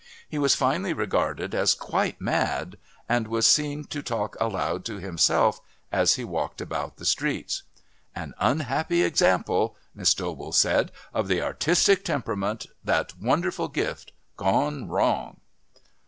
He was finally regarded as "quite mad," and was seen to talk aloud to himself as he walked about the streets. "An unhappy example," Miss Dobell said, "of the artistic temperament, that wonderful gift, gone wrong."